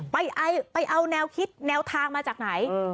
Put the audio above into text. ไปเอาแนวคิดแนวทางมาจากไหน